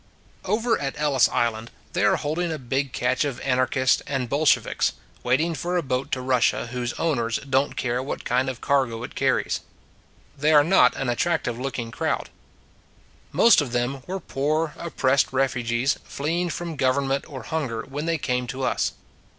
OVER at Ellis Island they are holding a big catch of anarchists and Bolshe viks, waiting for a boat to Russia whose owners don t care what kind of cargo it carries. They are not an attractive looking crowd. Most of them were poor, oppressed ref ugees fleeing from government or hunger when they came to us.